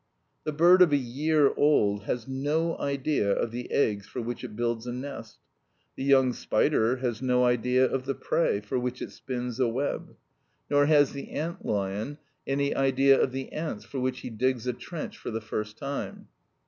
The bird of a year old has no idea of the eggs for which it builds a nest; the young spider has no idea of the prey for which it spins a web; nor has the ant lion any idea of the ants for which he digs a trench for the first time.